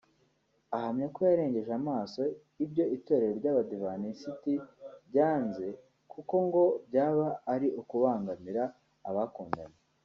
Ahamya ko yarengeje amaso ibyo Itorero ry’Abadiventisiti ryanze kuko ngo byaba ari ukubangamira abakundanye